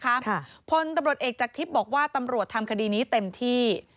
พลตำรวจเอกศีวรารังศีพรามณกุลรองค์จักทิศบอกว่าตำรวจทำคดีนี้เต็มที่